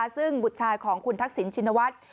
ซึ่งบุตรชายของคุณทักษิณชินวัฒน์